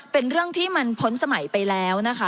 เป็นเรื่องที่มันพ้นสมัยไปแล้วนะคะ